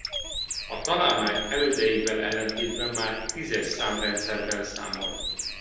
A találmány elődeivel ellentétben már tízes számrendszerben számolt.